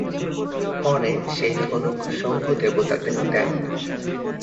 পরে সেই ধনুক শম্ভু দেবতাদের দেন।